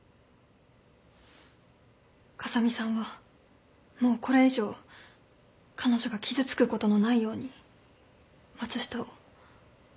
風見さんはもうこれ以上彼女が傷つくことのないように松下を。